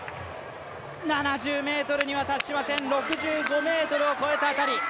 ７０ｍには達しません６５ｍを越えた辺り。